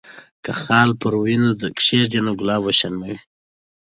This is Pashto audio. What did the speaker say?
که خال پر وینو کښېږدي، نو ګلاب وشرموي.